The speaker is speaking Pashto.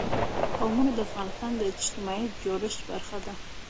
قومونه د افغانستان د اجتماعي جوړښت برخه ده.